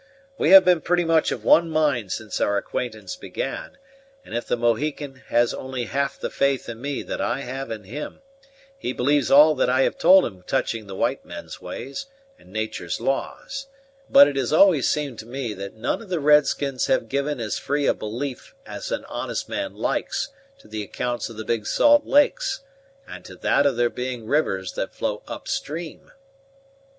We have been pretty much of one mind since our acquaintance began, and if the Mohican has only half the faith in me that I have in him, he believes all that I have told him touching the white men's ways and natur's laws; but it has always seemed to me that none of the red skins have given as free a belief as an honest man likes to the accounts of the Big Salt Lakes, and to that of their being rivers that flow up stream."